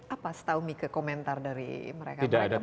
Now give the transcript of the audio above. apa setau mika komentar dari mereka mereka